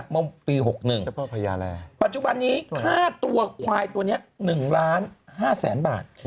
เมื่อปี๖๑ปัจจุบันนี้ค่าตัวควายตัวนี้๑ล้าน๕แสนบาท